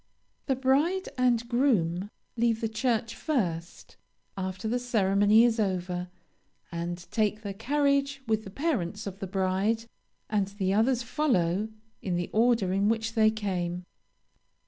The bride and groom leave the church first, after the ceremony is over, and take the carriage with the parents of the bride, and the others follow in the order in which they came.